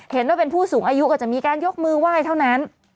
เห็นว่าเป็นผู้สูงอายุก็จะมีการยกมือไหว้เท่านั้น